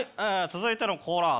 続いてのコーナー